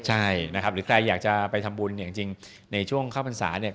ใช่นะครับหรือใครอยากจะไปทำบุญเนี่ยจริงในช่วงเข้าพรรษาเนี่ย